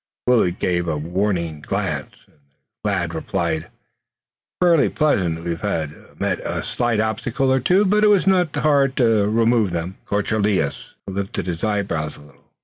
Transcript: Willet gave Robert a warning glance, and the lad replied: "Fairly pleasant. We have met a slight obstacle or two, but it was not hard to remove them." De Courcelles lifted his eyebrows a little.